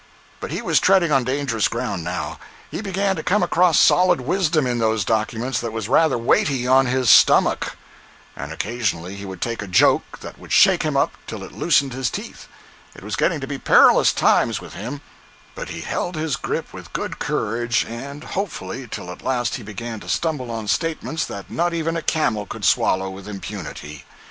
But he was treading on dangerous ground, now. He began to come across solid wisdom in those documents that was rather weighty on his stomach; and occasionally he would take a joke that would shake him up till it loosened his teeth; it was getting to be perilous times with him, but he held his grip with good courage and hopefully, till at last he began to stumble on statements that not even a camel could swallow with impunity.